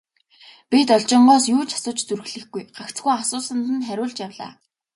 Би Должингоос юу ч асууж зүрхлэхгүй, гагцхүү асуусанд нь хариулж явлаа.